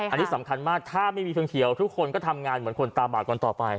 อันนี้สำคัญมากถ้าไม่มีฟึงเขียวทุกคนก็ทำงานเหมือนคนตาบาดกันต่อไป